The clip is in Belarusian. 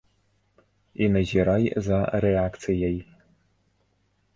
І назірай за рэакцыяй.